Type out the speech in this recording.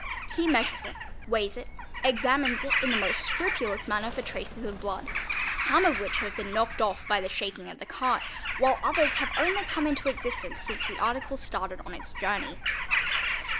He mesures it, weighs it, examines it in the most scrupulous manner for "traces of blood, some of which have been knocked off by the shaking of 'the cart, while others have only come into existence since the article Bracted on its journey.